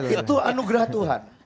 itu anugerah tuhan